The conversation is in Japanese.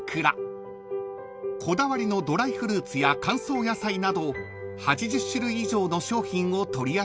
［こだわりのドライフルーツや乾燥野菜など８０種類以上の商品を取り扱うお店です］